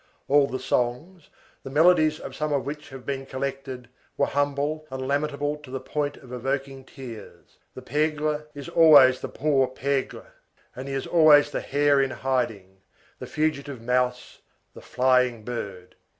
All the songs, the melodies of some of which have been collected, were humble and lamentable to the point of evoking tears. The pègre is always the poor pègre, and he is always the hare in hiding, the fugitive mouse, the flying bird.